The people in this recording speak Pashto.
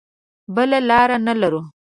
بله لاره نه لرو.